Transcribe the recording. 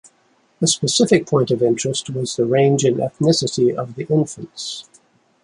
A specific point of interest was the range in ethnicity of the infants.